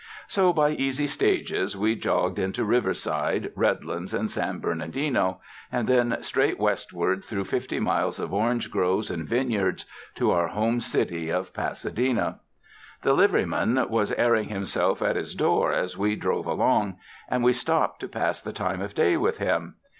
So by easy stages we jogged into Riverside, Red lands and San Bernardino, and then straight west ward through fifty miles of orange groves and vine yards to our home city of Pasadena. The liveryman was airing himself at his door as we drove along, and we stopped to pass the time of day with him.